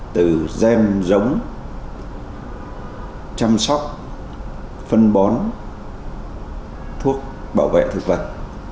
từ gem giống chăm sóc phân bón thuốc bảo vệ thực vật